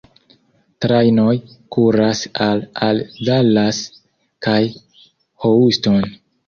Trajnoj kuras al al Dallas kaj Houston.